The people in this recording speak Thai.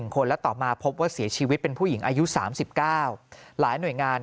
คนและต่อมาพบว่าเสียชีวิตเป็นผู้หญิงอายุ๓๙หลายหน่วยงาน